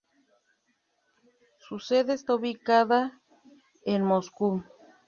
Su sede está ubicada en Moscú.